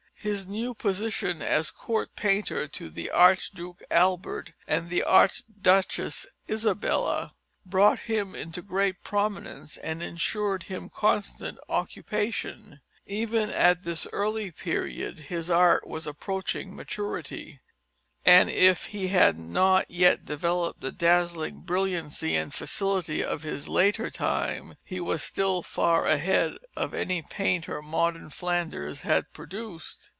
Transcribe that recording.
His new position as Court painter to the Archduke Albert and the Archduchess Isabella brought him into great prominence and insured him constant occupation. Even at this early period his art was approaching maturity, and if he had not yet developed the dazzling brilliancy and facility of his later time, he was still far ahead of any painter modern Flanders had produced.